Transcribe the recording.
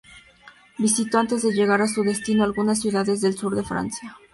Visitó, antes de llegar a su destino, algunas ciudades del sur de Francia.